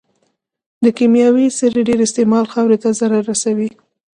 د کيمياوي سرې ډېر استعمال خاورې ته ضرر رسوي.